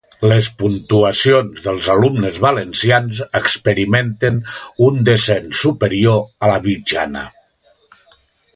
Les puntuacions dels alumnes valencians experimenten un descens superior a la mitjana.